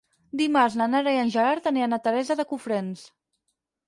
Dimarts na Nara i en Gerard aniran a Teresa de Cofrents.